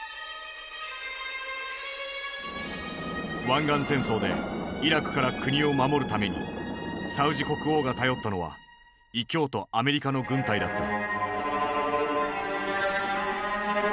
湾岸戦争でイラクから国を守るためにサウジ国王が頼ったのは異教徒アメリカの軍隊だった。